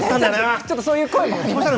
ちょっとそういう声もありましたね。